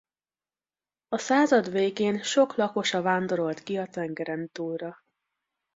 A század végén sok lakosa vándorolt ki a tengerentúlra.